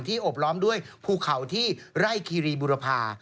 อบล้อมด้วยภูเขาที่ไร่คีรีบุรภา